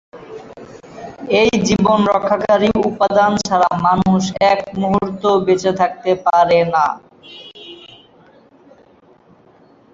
এই জীবন রক্ষাকারী উপাদান ছাড়া মানুষ এক মুহূর্তও বেঁচে থাকতে পারে না।